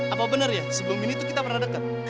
apa bener ya sebelum ini tuh kita pernah deket